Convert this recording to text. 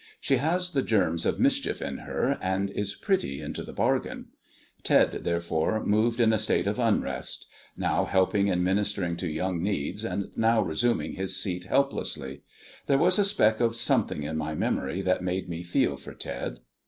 She has the germs of mischief in her, and is pretty into the bargain. Ted, therefore, moved in a state of unrest now helping in ministering to younger needs, and now resuming his seat helplessly. There was a speck of something in my memory that made me feel for Ted.